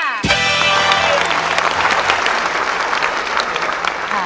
ใช้ค่ะใช้ค่ะ